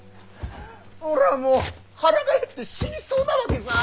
俺はもう腹が減って死にそうなわけさー。